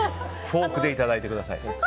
フォークでいただいてください。